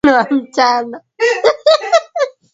kama walivyoelekezwa na kiongozi wao hayati Kinjekitile Ngwale